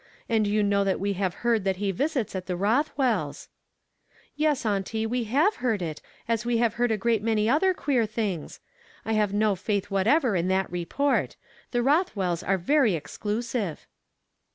And you know that we have heard that he visits at the He fch wells'." " Yes, auntie, we have heard it, as we have heard a great many otlier queer things. I have no faith whatever in that report ; the Ilothwells are very exclusive."